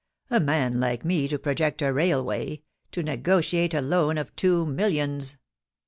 A man like me to project a railway — to negotiate a loan of two millions.